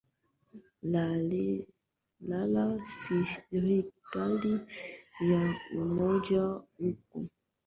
la la serikali ya umoja huko